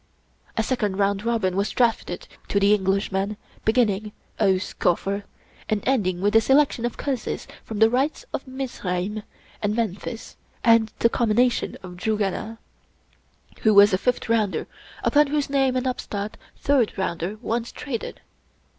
A second round robin was drafted to the Englishman, beginning :" Oh, Scoffer," and ending with a selection of curses from the rites of Mizraim and Memphis and the Commination of Jugana; who was a " fifth rounder," upon whose name an upstart " third rounder " once traded.